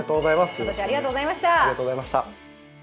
今年はありがとうございました。